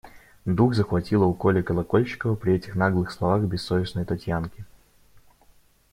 Дух захватило у Коли Колокольчикова при этих наглых словах бессовестной Татьянки.